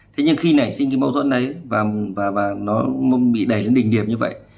thế nhưng khi nảy sinh cái mâu thuẫn này và nó bị đẩy đến tình điểm như vậy